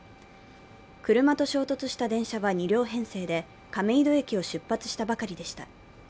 車と衝突した電車は２両編成で亀戸駅を出発したばかりでした。